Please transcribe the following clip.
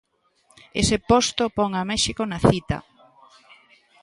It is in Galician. Ese posto pon a México na cita.